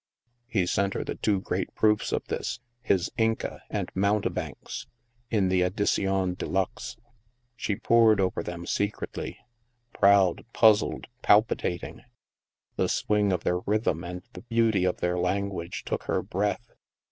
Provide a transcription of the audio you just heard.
He sent her the two great proofs of this — his " Inca " and " Mountebanks "— in the edition de luxe. She pored over them secretly — proud, puz zled, palpitating. The swing of their rh3rthm and the beauty of their language took her breath.